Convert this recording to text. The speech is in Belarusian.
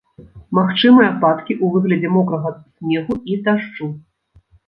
Магчымыя ападкі ў выглядзе мокрага снегу і дажджу.